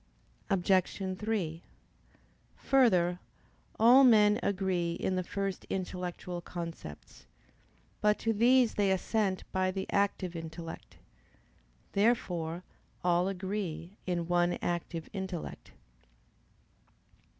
Obj. 3: Further, all men agree in the first intellectual concepts. But to these they assent by the active intellect. Therefore all agree in one active intellect.